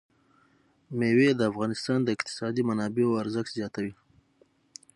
مېوې د افغانستان د اقتصادي منابعو ارزښت زیاتوي.